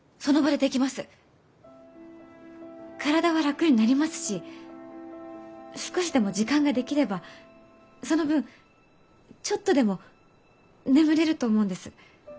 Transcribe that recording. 体は楽になりますし少しでも時間ができればその分ちょっとでも眠れると思うんです。